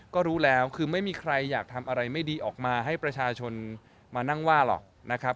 ก็รู้แล้วคือไม่มีใครอยากทำอะไรไม่ดีออกมาให้ประชาชนมานั่งว่าหรอกนะครับ